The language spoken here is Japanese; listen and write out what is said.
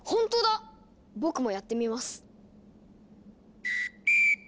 僕もやってみます。